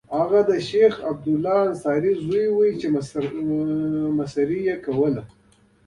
هغه د شیخ عبدالله انصاري زوی و او مشرتابه یې کوله.